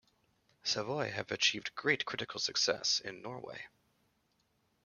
Savoy have achieved great critical success in Norway.